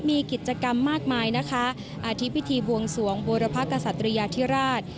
มีกิจกรรมมากมายนะคะอาทิตพิธีบวงสวงบูรพกษัตริยาธิราช